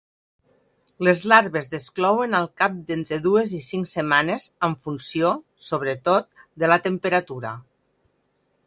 Les larves desclouen al cap d'entre dues i cinc setmanes, en funció, sobretot, de la temperatura.